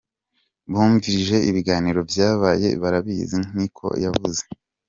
"Bumvirije ibiganiro vyabaye, barabizi", niko yavuze.